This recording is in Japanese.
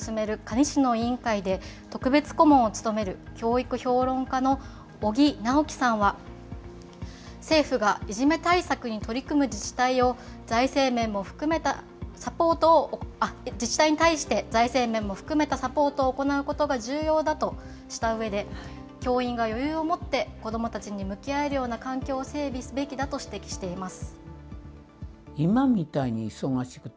可児市の委員会で特別顧問を務める教育評論家の尾木直樹さんは、政府がいじめ対策に取り組む自治体を、財政面も含めたサポートを、自治体に対して財政面も含めたサポートを行うことが重要だとしたうえで、教員が余裕を持って、子どもたちに向き合えるような環境を整備すべきだと指摘しています。